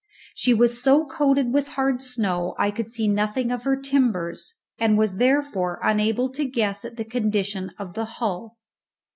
She was so coated with hard snow I could see nothing of her timbers, and was therefore unable to guess at the condition of the hull.